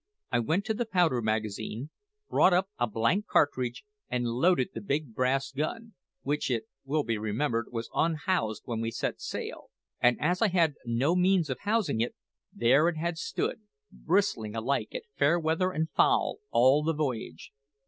I went to the powder magazine, brought up a blank cartridge, and loaded the big brass gun, which, it will be remembered, was unhoused when we set sail; and as I had no means of housing it, there it had stood, bristling alike at fair weather and foul all the voyage.